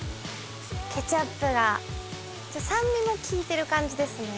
ケチャップが酸味もきいてる感じですね